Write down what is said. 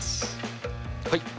はい。